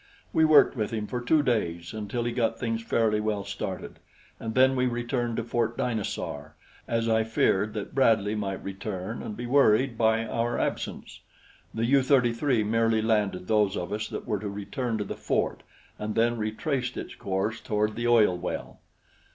We worked with him for two days until he got things fairly well started, and then we returned to Fort Dinosaur, as I feared that Bradley might return and be worried by our absence. The U 33 merely landed those of us that were to return to the fort and then retraced its course toward the oil well.